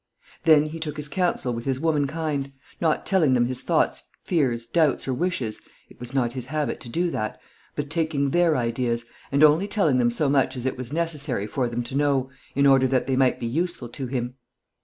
Then he took counsel with his womankind; not telling them his thoughts, fears, doubts, or wishes it was not his habit to do that but taking their ideas, and only telling them so much as it was necessary for them to know in order that they might be useful to him.